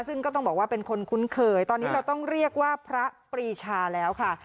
ซึ่งก็ต้องบอกว่าเป็นคนคุ้นเคยตอนนี้เราต้องเรียกว่าพระปรีชาแล้วค่ะ